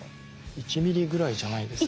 １ｍｍぐらいじゃないですか。